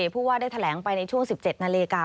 ผู้ว่าได้แถลงไปในช่วง๑๗นาฬิกา